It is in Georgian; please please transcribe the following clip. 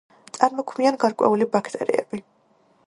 წარმოქმნიან გარკვეული ბაქტერიები.